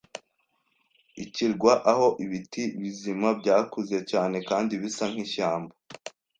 ikirwa aho ibiti-bizima byakuze cyane kandi bisa nkishyamba